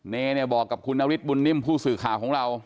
เนบอกกับคุณนาวิทย์บุญนิมผู้สื่อข่าวของเรา